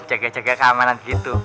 jaga jaga keamanan gitu